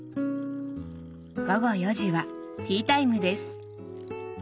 午後４時はティータイムです。